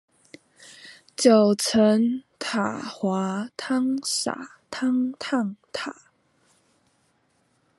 九層塔滑湯灑湯燙塔